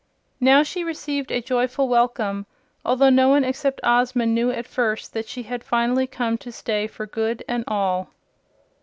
Now she received a joyful welcome, although no one except Ozma knew at first that she had finally come to stay for good and all.